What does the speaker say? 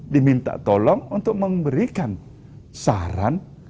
diminta tolong untuk memberikan saran